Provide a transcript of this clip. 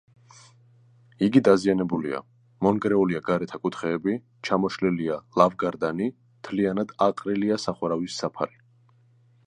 იგი დაზიანებულია: მონგრეულია გარეთა კუთხეები, ჩამოშლილია ლავგარდანი, მთლიანად აყრილია სახურავის საფარი.